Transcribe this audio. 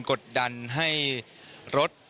กดดันให้รถ